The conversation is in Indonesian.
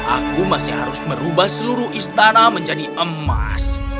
aku masih harus merubah seluruh istana menjadi emas